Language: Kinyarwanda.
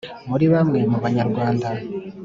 muri bamwe mu Banyarwanda